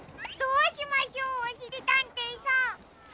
どうしましょうおしりたんていさん。